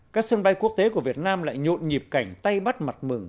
các sân bay quốc tế của việt nam lại nhộn nhịp cảnh tay bắt mặt mừng